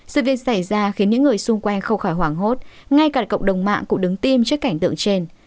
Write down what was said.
sự việc xảy ra khiến những người xung quanh không khỏi hoảng hốt ngay cả cộng đồng mạng cũng đứng tim trước cảnh tượng trên